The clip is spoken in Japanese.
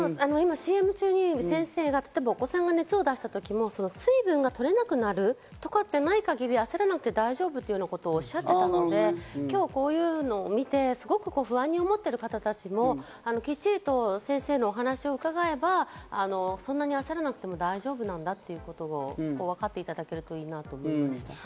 ＣＭ中に先生が、例えばお子さんが熱を出した時も水分が取れなくなるとかじゃない限り、焦らなくて大丈夫ということをおっしゃっていたので今日、こういうのを見て、すごく不安に思ってる方たちもきっちりと先生のお話を伺えばそんなに焦らなくても大丈夫だということがわかっていただけるといいなと思いました。